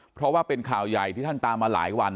เพราะว่าเป็นข่าวใหญ่ที่ท่านตามมาหลายวัน